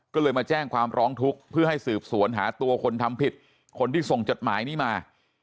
ก็เลยมาแจ้งความร้องทุกข์เพื่อให้สืบสวนหาตัวคนทำผิดคนที่ส่งจดหมายนี้มา